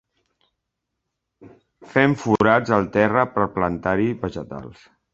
Fem forats al terra per plantar-hi vegetals.